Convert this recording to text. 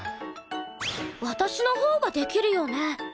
私のほうができるよね？